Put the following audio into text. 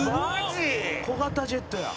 小型ジェットや」